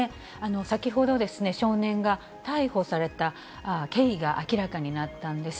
先ほど、少年が逮捕された経緯が明らかになったんです。